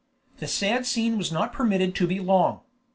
The sad scene was not permitted to be long.